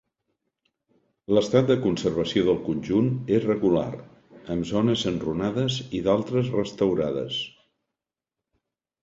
L'estat de conservació del conjunt és regular, amb zones enrunades i d'altres restaurades.